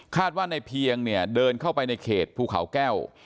ว่าในเพียงเนี่ยเดินเข้าไปในเขตภูเขาแก้ว